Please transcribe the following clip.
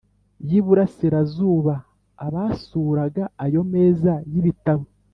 y i Burasirazuba Abasuraga ayo meza y ibitabo